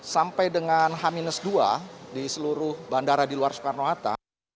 sampai dengan h dua di seluruh bandara di luar soekarno hatta